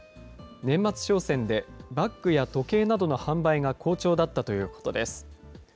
年末商戦で、バッグや時計などの販売が好調だったということです。